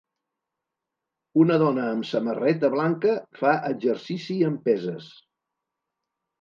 Una dona amb samarreta blanca fa exercici amb peses.